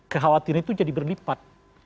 kekhawatiran itu jadi berlipat